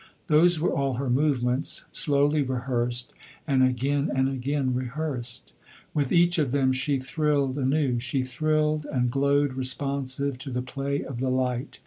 Those were all her movements, slowly rehearsed, and again and again rehearsed. With each of them she thrilled anew; she thrilled and glowed responsive to the play of the light.